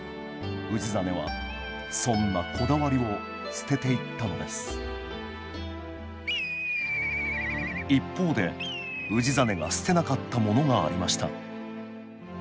氏真はそんなこだわりを捨てていったのです一方で氏真が捨てなかったものがありました